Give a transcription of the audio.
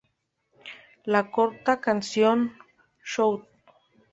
La corta canción "Shout!